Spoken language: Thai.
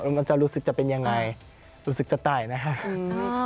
มันจะรู้สึกจะเป็นยังไงรู้สึกจะตายนะครับ